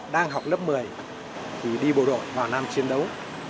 đang học lớp một mươi thì đi bộ đội vào nam chiến đấu